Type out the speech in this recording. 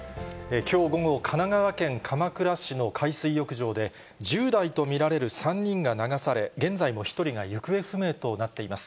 きょう午後、神奈川県鎌倉市の海水浴場で、１０代と見られる３人が流され、現在も１人が行方不明となっています。